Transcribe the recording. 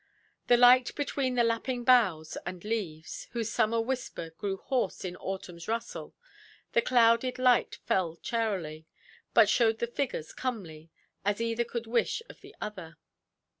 The light between the lapping boughs and leaves—whose summer whisper grew hoarse in autumnʼs rustle—the clouded light fell charily, but showed the figures comely, as either could wish of the other.